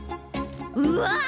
うわっ！